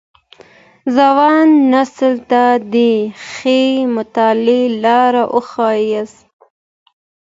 ځوان نسل ته د ښې مطالعې لاره وښاياست.